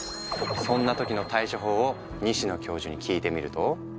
そんな時の対処法を西野教授に聞いてみると。